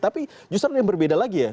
tapi justru ada yang berbeda lagi ya